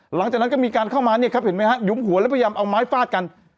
หลังจากนั้นก็มีการเข้ามาเนี่ยครับเห็นไหมฮะหยุมหัวแล้วพยายามเอาไม้ฟาดกัน